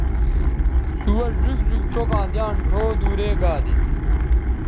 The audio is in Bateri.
سوہ ڙیگ ڙیگ چوکاں دیان ڙھؤ دور گا دے